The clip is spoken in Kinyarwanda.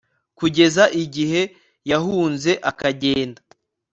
kugeza igihe yahunze akagenda